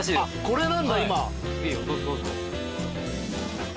これなんだ今。